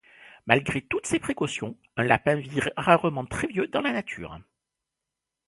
Malgré toutes ces précautions, un lapin vit rarement très vieux dans la nature.